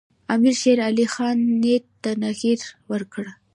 امیرشیرعلي خان نیت ته تغییر ورکړ.